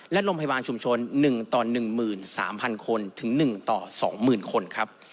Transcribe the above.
และโรงพยาบาลชุมชน๑ต่อ๑๓๐๐คนถึง๑ต่อ๒๐๐๐คนครับ